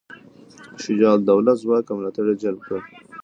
شجاع الدوله ځواک او ملاتړي جلب کړل.